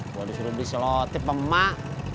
gue disuruh beli selotip emak